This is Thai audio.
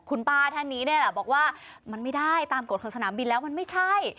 คุณป้าท่านนี้เนี่ยแหละบอกว่ามันไม่ได้ตามกฎของสนามบินแล้วมันไม่ใช่